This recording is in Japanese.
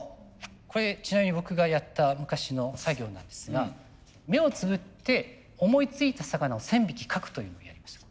これちなみに僕がやった昔の作業なんですが目をつむって思いついた魚を１，０００匹描くというのをやりました。